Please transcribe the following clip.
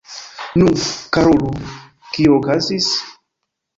Nu, karulo, kio okazis?